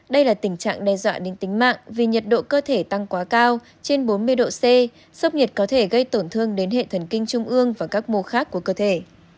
đây là tình trạng đe dọa đến tính mạng vì nhiệt độ cơ thể tăng quá cao trên bốn mươi độ c sốc nhiệt có thể gây tổn thương đến hệ thần kinh trung ương và các mô khác của cơ thể